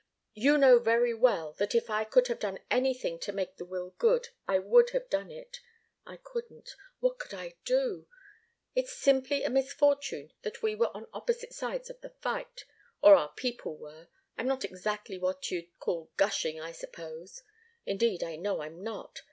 You know very well that if I could have done anything to make the will good, I would have done it. I couldn't. What could I do? It's simply a misfortune that we were on opposite sides of the fight or our people were. I'm not exactly what you'd call gushing, I suppose indeed, I know I'm not.